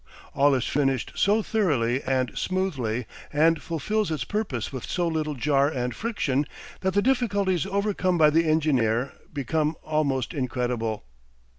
All is finished so thoroughly and smoothly, and fulfills its purpose with so little jar and friction, that the difficulties overcome by the engineer become almost incredible.